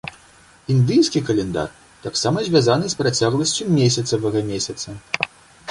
Індыйскі каляндар таксама звязаны з працягласцю месяцавага месяца.